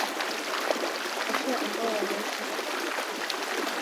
Washia ambao wanaishi hasa katika eneo la mashariki